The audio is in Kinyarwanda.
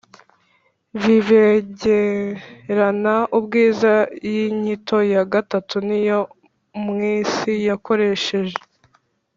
bibengerana ubwiza iyi nyito ya gatatu ni yo umwisi yakoresheje